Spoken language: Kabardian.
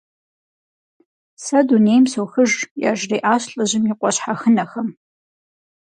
Сэ дунейм сохыж, - яжриӏащ лӏыжьым и къуэ щхьэхынэхэм.